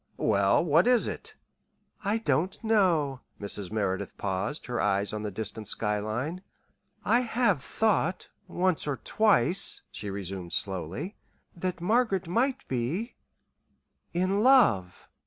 "Well, what is it?" "I don't know." Mrs. Merideth paused, her eyes on the distant sky line. "I have thought once or twice," she resumed slowly, "that Margaret might be in love."